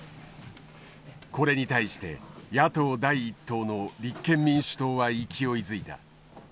これに対して野党第一党の立憲民主党は勢いづいた。